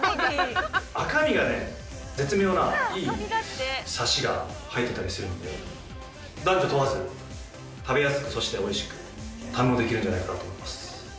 赤身が絶妙ないいサシが入ってたりするんで、男女問わず、食べやすく、そしておいしく堪能できるんじゃないかなと思います。